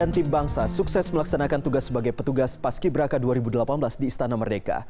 sembilan tim bangsa sukses melaksanakan tugas sebagai petugas paski braka dua ribu delapan belas di istana merdeka